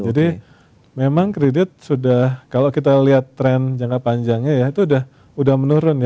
jadi memang kredit sudah kalau kita lihat tren jangka panjangnya ya itu udah menurun ya